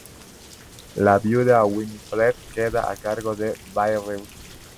La viuda Winifred queda a cargo de Bayreuth.